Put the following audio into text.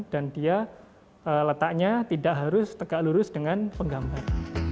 dan dia letaknya tidak harus tegak lurus dengan penggambar